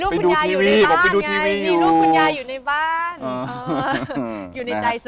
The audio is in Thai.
ไปดูทีวีบอกไปดูทีวีอยู่